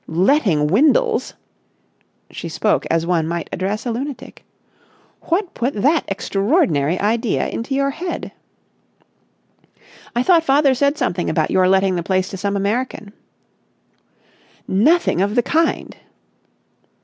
"Letting Windles!" She spoke as one might address a lunatic. "What put that extraordinary idea into your head?" "I thought father said something about your letting the place to some American." "Nothing of the kind!"